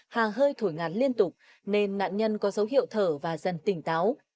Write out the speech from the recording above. hà hơi thổi ngạt liên tục nên nạn nhân có dấu hiệu thở và dần tỉnh táo